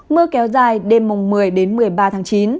mưa kéo dài đêm một mươi đến một mươi ba tháng chín